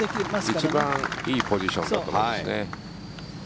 一番いいポジションだと思いますね。